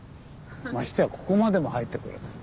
ましてやここまでも入ってこれない。